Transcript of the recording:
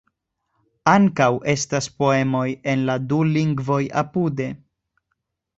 Ankaŭ estas poemoj en la du lingvoj apude.